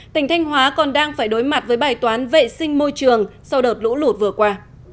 tỉnh thanh hóa còn đang phải đối mặt với bài toán vệ sinh môi trường sau đợt lũ lụt vừa qua